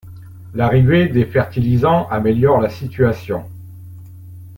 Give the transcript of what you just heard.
L'arrivée des fertilisants améliore la situation.